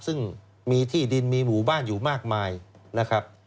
ซึ่งมีที่ดินมีหมู่บ้านอยู่มากมายนะครับ